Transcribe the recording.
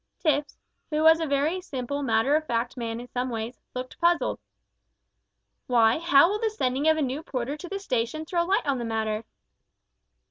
Tipps, who was a very simple matter of fact man in some ways, looked puzzled. "Why, how will the sending of a new porter to the station throw light on the matter?"